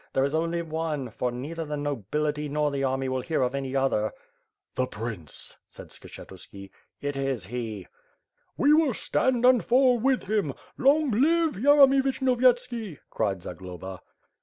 There is only one, for neither the no bility nor the army will hear of any other." "The prince!" said Skshctuski. "It is he." "We will stand and fall with him — long live Yeremy Vi shnyoyetski/' cried Zagloba.